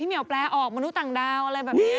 เหี่ยวแปลออกมนุษย์ต่างดาวอะไรแบบนี้